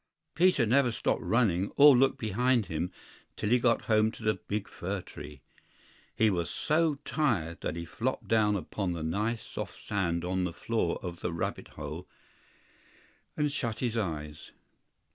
PETER never stopped running or looked behind him till he got home to the big fir tree. He was so tired that he flopped down upon the nice soft sand on the floor of the rabbit hole, and shut his eyes.